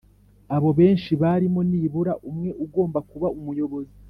Abo benshi barimo nibura umwe ugomba kuba umuyobozi